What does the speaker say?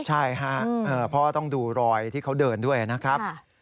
ใช่ฮะเพราะว่าต้องดูรอยที่เขาเดินด้วยนะครับ